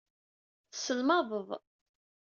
Tesselmadeḍ.